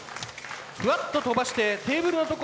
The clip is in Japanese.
ふわっと飛ばしてテーブルの所。